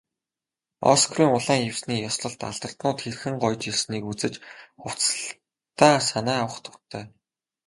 Оскарын улаан хивсний ёслолд алдартнууд хэрхэн гоёж ирснийг үзэж, хувцаслалтдаа санаа авах дуртай.